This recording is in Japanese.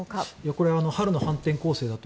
これ、春の反転攻勢だと。